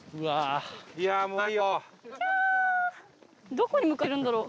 どこに向かってるんだろう？